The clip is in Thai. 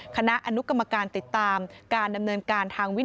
คณะอนุกรรมการติดตามการดำเนินการทางวิน